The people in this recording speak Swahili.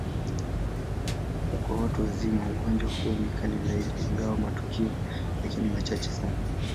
Kwa watu wazima, ugonjwa huo ni kali zaidi, ingawa matukio yake ni machache sana.